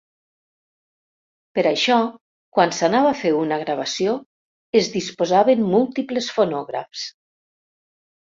Per això, quan s'anava a fer una gravació, es disposaven múltiples fonògrafs.